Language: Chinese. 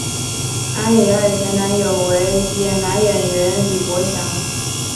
安苡爱前男友为男演员李博翔。